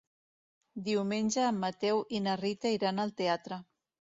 Diumenge en Mateu i na Rita iran al teatre.